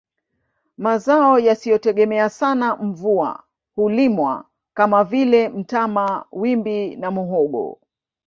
Mazao yasiyotegemea sana mvua hulimwa kama vile mtama wimbi na muhogo